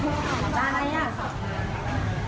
หรือมึงเอามาให้กุ้งพ่อขอบคุณ